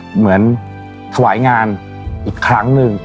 เหมือนถวายงานอีกครั้งหนึ่ง